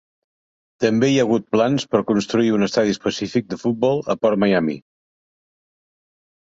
També hi ha hagut plans per construir un estadi específic de futbol a PortMiami.